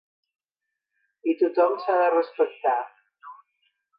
I tothom s’ha de respectar.